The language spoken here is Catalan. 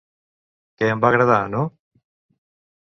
Que em va agradar, no.